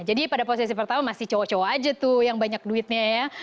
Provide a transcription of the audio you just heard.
jadi pada posisi pertama masih cowok cowok saja yang banyak duitnya ya